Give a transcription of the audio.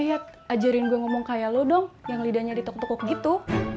lihat ajarin gue ngomong kayak lo dong yang lidahnya ditukuk tekuk gitu